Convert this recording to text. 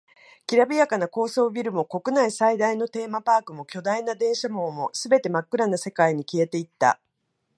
きらびやかな高層ビルも、国内最大のテーマパークも、巨大な電車網も、全て真っ暗な世界に消えていった。